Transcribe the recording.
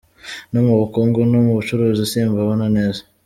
No mu bukungu no mu bucuruzi simbibona neza.